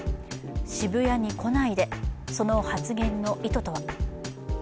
渋谷に来ないで、その発言の意図とは。